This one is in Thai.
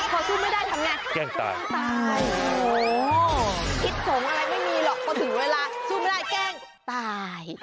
พอสู้ไม่ได้ทำไงแกล้งตายแกล้งตายโอ้โหคิดผมอะไรไม่มีหรอกพอถึงเวลาสู้ไม่ได้แกล้งตาย